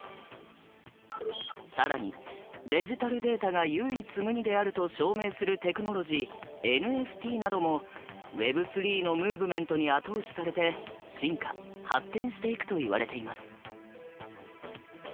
更にデジタルデータが唯一無二であると証明するテクノロジー「ＮＦＴ」などもＷｅｂ３のムーブメントに後押しされて進化・発展していくといわれています。